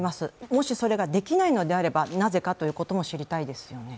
もしそれができないのであればなぜかということも知りたいですよね。